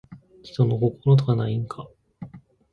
人の心とかないんか